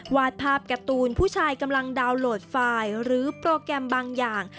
วาดภาพการ์ตูนผู้ชายกำลังดาวน์โหลดไฟล์หรือโปรแกรมบางอย่าง